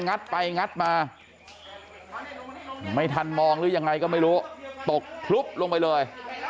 ไปงัดมาไม่ทันมองหรือยังไงก็ไม่รู้ตกพลุบลงไปเลย